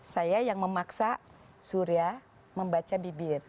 saya yang memaksa surya membaca bibir